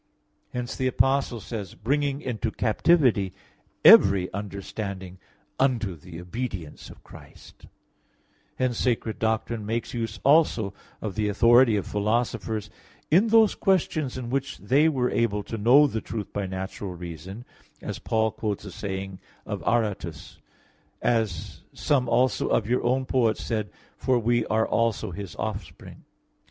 Hence the Apostle says: "Bringing into captivity every understanding unto the obedience of Christ" (2 Cor. 10:5). Hence sacred doctrine makes use also of the authority of philosophers in those questions in which they were able to know the truth by natural reason, as Paul quotes a saying of Aratus: "As some also of your own poets said: For we are also His offspring" (Acts 17:28).